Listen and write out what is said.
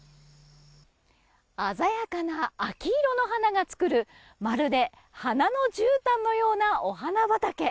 鮮やかな秋色の花が作るまるで花のじゅうたんのようなお花畑。